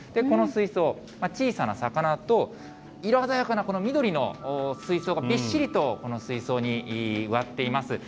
この水槽、小さな魚と、色鮮やかなこの緑の水草がびっしりと、この水槽に植わっています。